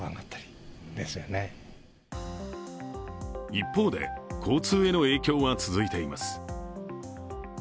一方で、交通への影響は続いています。